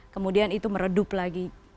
kemudian itu meredup lagi